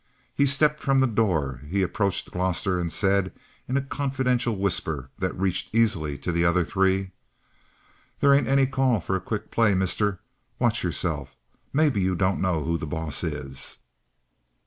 He stepped from the door; he approached Gloster and said in a confidential whisper that reached easily to the other three: "They ain't any call for a quick play, mister. Watch yo'selves. Maybe you don't know who the boss is?"